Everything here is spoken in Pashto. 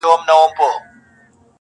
بلال په وینو رنګوي منبر په کاڼو ولي!!